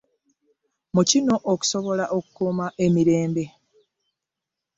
Mu kino okusobola okukuuma emirembe.